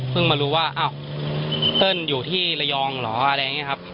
มารู้ว่าอ้าวเติ้ลอยู่ที่ระยองเหรออะไรอย่างนี้ครับ